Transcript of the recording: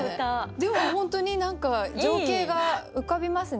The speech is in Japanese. でも本当に何か情景が浮かびますね。